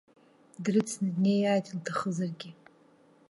Дрыцны днеиааит, илҭахызаргьы.